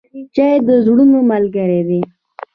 چای د زړونو ملګری دی.